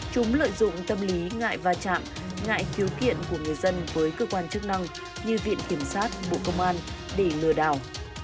chúng lợi dụng tâm lý ngại bá trạm ngại thiếu kiện của người dân với cơ quan chức năng như viện kiểm soát bộ công an để lừa đảo